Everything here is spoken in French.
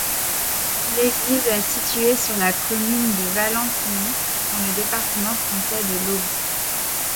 L'église est située sur la commune de Vallentigny, dans le département français de l'Aube.